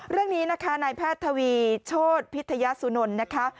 เรื่องนี้นะคะนายแพทย์ทวีโชธพิทยาสุนนท์นะคะ